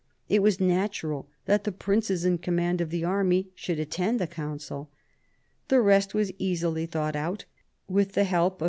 It was natural that the princes in command of the army should attend the council. The rest was easily thought out, with the help of M.